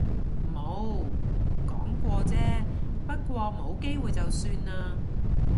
冇，講過啫。不過冇機會就算喇